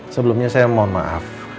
sebelumnya saya mohon maaf